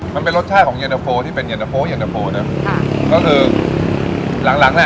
มันเป็นรสชาติของเย็นตะโฟที่เป็นเย็นตะโฟเย็นตะโฟนะค่ะก็คือหลังหลังเนี้ย